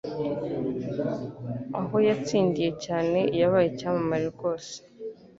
Aho yatsindiye cyane yabaye icyamamare rwose